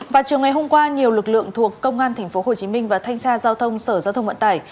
vào chiều ngày hôm qua nhiều lực lượng thuộc công an tp hcm và thanh tra giao thông sở giao thông vận tải